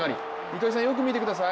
糸井さん、よく見てください。